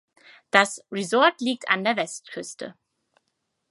Das Resort liegt an der Westküste.